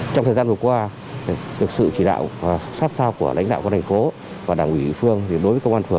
có vấn đề có vấn đề có vấn đề